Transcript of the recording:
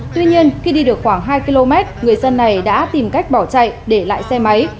tuy nhiên khi đi được khoảng hai km người dân này đã tìm cách bỏ chạy để lại xe máy